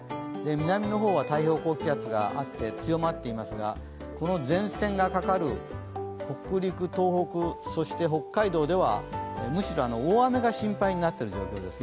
南の方は太平洋高気圧があって強まっていますが、この前線がかかる北陸、東北そして北海道では、むしろ大雨が心配になっている状況です。